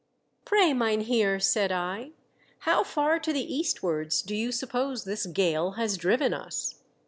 "Pray, mynheer," said I, "how far to the eastwards do you suppose this gale has driven us